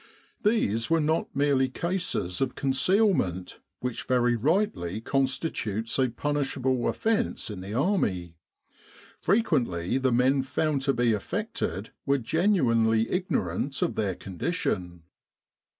These were not merely cases of concealment which very rightly con stitutes a punishable offence in the Army': frequently the men found to be affected were genuinely ignorant of their condition.